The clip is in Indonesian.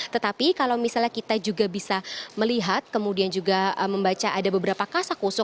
tetapi kalau misalnya kita juga bisa melihat kemudian juga membaca ada beberapa kasakusuk